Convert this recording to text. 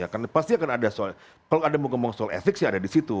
karena pasti akan ada soal kalau ada mau ngomong soal etik sih ada disitu